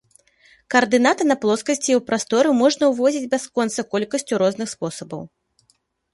Каардынаты на плоскасці і ў прасторы можна ўводзіць бясконцай колькасцю розных спосабаў.